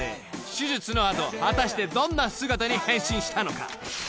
［手術の後果たしてどんな姿に変身したのか］